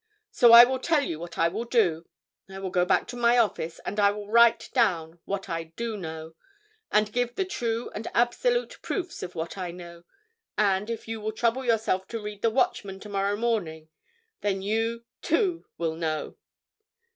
So I will tell you what I will do. I will go back to my office, and I will write down what I do know, and give the true and absolute proofs of what I know, and, if you will trouble yourself to read the Watchman tomorrow morning, then you, too, will know."